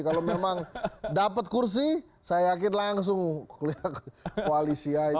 kalau memang dapat kursi saya yakin langsung kelihatan koalisi aja